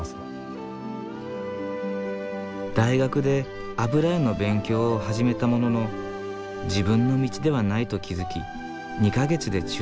大学で油絵の勉強を始めたものの自分の道ではないと気づき２か月で中退。